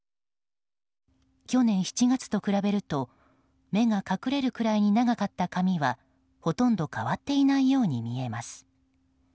去年７月と比べると目が隠れるぐらいに長かった髪はほとんど変わっていないように見えます。